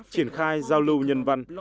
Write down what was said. triển khai giao lưu nhân văn